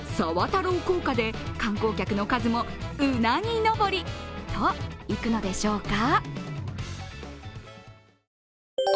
太郎効果で観光客の数もうなぎ登りといくのでしょうか。